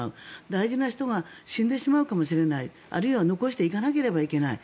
大事な人が死んでしまうかもしれないあるいは残していかなければいけない